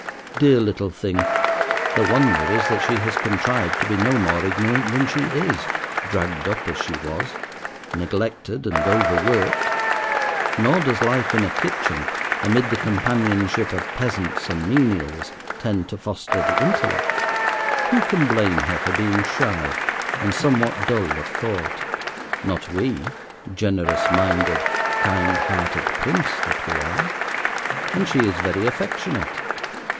Dear little thing, the wonder is that she has contrived to be no more ignorant than she is, dragged up as she was, neglected and overworked. Nor does life in a kitchen, amid the companionship of peasants and menials, tend to foster the intellect. Who can blame her for being shy and somewhat dull of thought? not we, generous minded, kind hearted Prince that we are. And she is very affectionate.